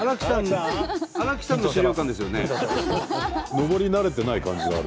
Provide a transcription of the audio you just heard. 上り慣れてない感じがある。